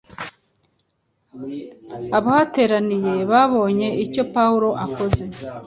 Abahateraniye babonye icyo Pawulo akoze,